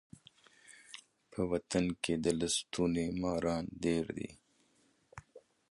په وطن کي د لستوڼي ماران ډیر دي.